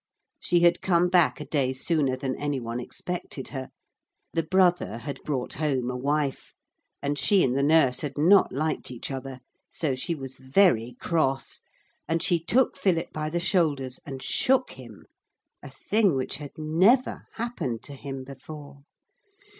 She had come back a day sooner than any one expected her. The brother had brought home a wife, and she and the nurse had not liked each other; so she was very cross, and she took Philip by the shoulders and shook him, a thing which had never happened to him before.